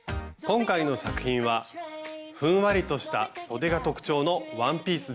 今回の作品はふんわりとしたそでが特徴のワンピースです。